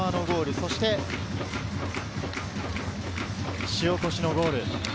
そして塩越のゴール。